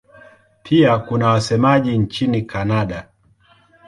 Pia kuna wasemaji nchini Kanada.